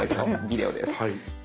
ビデオです。